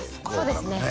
そうですね